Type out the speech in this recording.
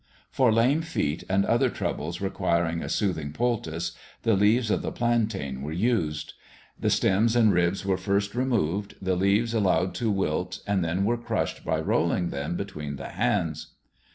For lame feet and other troubles requiring a soothing poultice, the leaves of the plantain were used. The stems and ribs were first removed, the leaves allowed to wilt and were then crushed by rolling them between the hands.